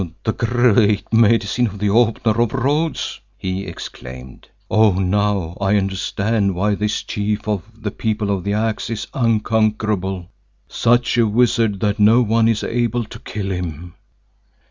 "The Great Medicine of the Opener of Roads!" he exclaimed. "Oh, now I understand why this Chief of the People of the Axe is unconquerable—such a wizard that no one is able to kill him."